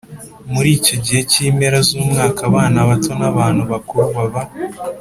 Muri icyo gihe k impera z umwaka abana bato n abantu bakuru baba